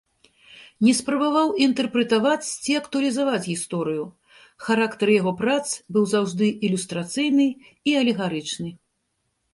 Не спрабаваў інтэрпрэтаваць ці актуалізаваць гісторыю, характар яго прац быў заўжды ілюстрацыйны і алегарычны.